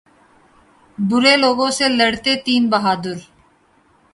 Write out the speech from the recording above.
برے لوگوں سے لڑتے تین بہادر